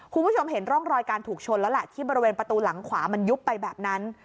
คุณผู้ชมเห็นร่องรอยการถูกชนแล้วแหละที่บริเวณประตูหลังขวามันยุบไปแบบนั้น